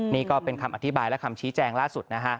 นี่ก็เป็นคำอธิบายและคำชี้แจงล่าสุดนะฮะ